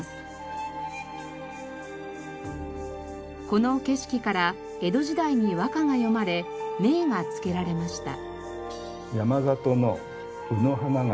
この景色から江戸時代に和歌が詠まれ銘が付けられました。